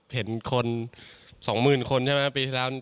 เห็นคน๒๐๐๐๐คนใช่ไหม